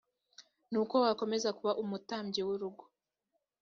ni uko wakomeza kuba umutambyi w urugo